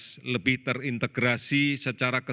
dan lebih terhubung dengan kepentingan masyarakat